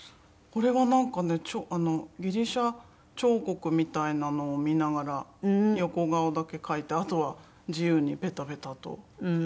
これはなんかねギリシャ彫刻みたいなのを見ながら横顔だけ描いてあとは自由にペタペタと。